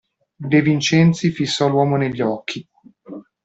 De Vincenzi fissò l'uomo negli occhi.